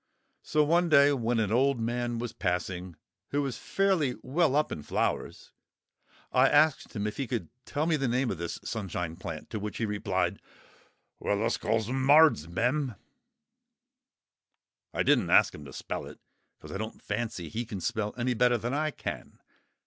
So one day when an old man was passing, who is fairly well up in flowers, I asked him if he could tell me the name of this Sunshine plant. To which he replied— "Wealluscallsemards'm." I didn't ask him to spell it, because I don't fancy he can spell any better than I can.